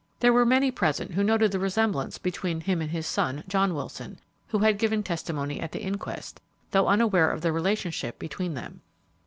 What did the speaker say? There were many present who noted the resemblance between him and his son, John Wilson, who had given testimony at the inquest, though unaware of the relationship between them.